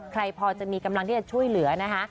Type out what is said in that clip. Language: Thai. ใครพอจะมีกำลังที่จะช่วยเหลือนะคะ